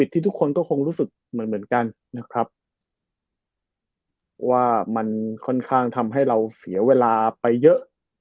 ที่ทุกคนก็คงรู้สึกเหมือนกันนะครับว่ามันค่อนข้างทำให้เราเสียเวลาไปเยอะ